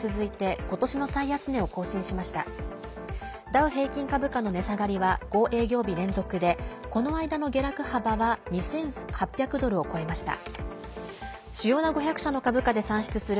ダウ平均株価の値下がりは５営業日連続でこの間の下落幅は２８００ドルを超えました。